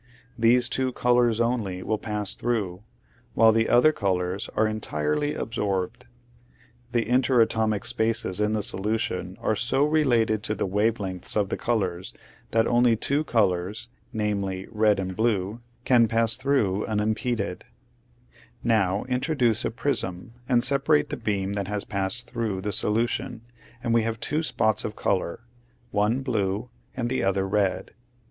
These two colors only will pass through, while the other colors are entirely absorbed. The inter atomic spaces in the solution are so related to the wave lengths of the colors that only two colors, namely, red and blue, can pass through i . Original from UNIVERSITY OF WISCONSIN 194 *tature'0 Atracles. unimpeded. Now introduce a prism and separate the beam that has passed through the solution and we have two spots of color, one blue and the other red.